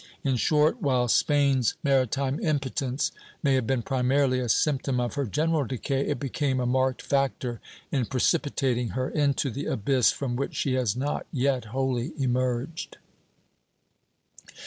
In short, while Spain's maritime impotence may have been primarily a symptom of her general decay, it became a marked factor in precipitating her into the abyss from which she has not yet wholly emerged.